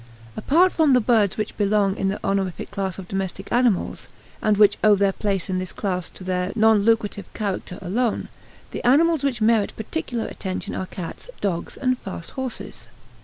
Apart from the birds which belong in the honorific class of domestic animals, and which owe their place in this class to their non lucrative character alone, the animals which merit particular attention are cats, dogs, and fast horses.